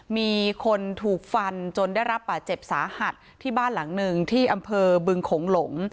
มีคนถูกฟันจนได้รับบาดเจ็บสาหัสที่บ้านหลังหนึ่งที่อำเภอบึงโขงหลง